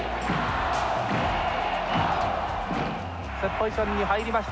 セットポジションに入りました。